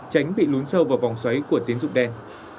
tránh bị lún sâu vào vòng xoáy của tiến dụng đen